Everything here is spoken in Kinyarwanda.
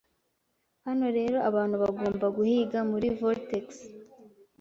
Hano rero abantu bagomba guhiga muri vortex